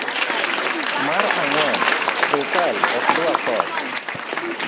mar ang'wen srikal ok dwa koth